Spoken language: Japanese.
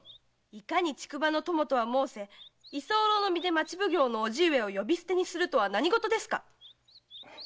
いかに竹馬の友とはもうせ居候の身で町奉行の叔父上を呼び捨てにするとは何ごとですか！